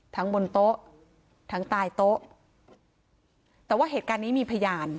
บนโต๊ะทั้งใต้โต๊ะแต่ว่าเหตุการณ์นี้มีพยาน